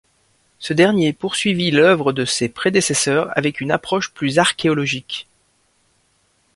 Ce dernier poursuivit l’œuvre de ses prédécesseurs avec une approche plus archéologique.